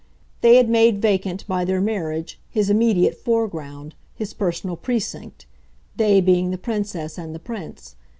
They had made vacant, by their marriage, his immediate foreground, his personal precinct they being the Princess and the Prince.